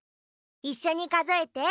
いっしょにかぞえて。